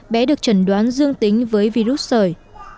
bé được trần đoán dương tính với virus sởi